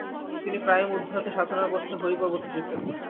তিনি প্রায়ই মধ্যরাতে সাধনা করতে হরি পর্বতে যেতেন।